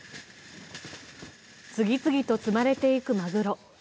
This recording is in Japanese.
次々と積まれていく、まぐろ。